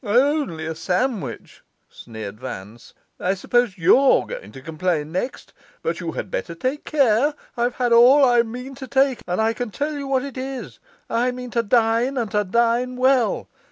'Only a sandwich?' sneered Vance. 'I suppose YOU'RE going to complain next. But you had better take care: I've had all I mean to take; and I can tell you what it is, I mean to dine and to dine well.